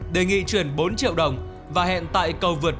đề nghị chuyển bốn triệu đồng và hẹn tại cầu vượt